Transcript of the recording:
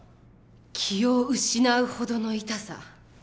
気を失うほどの痛さ。